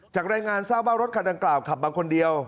จากรายงานซ่อมว่ารถขนักกล่าวขับบางคนเดียว